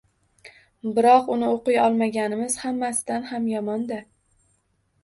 Biroq uni o’qiy olmaganimiz hammasidan ham yomon-da.